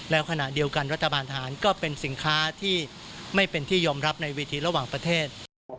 แล้วขณะเดียวกันรัฐบาลทหารก็เป็นสินค้าที่ไม่เป็นที่ยอมรับในเวทีระหว่างประเทศ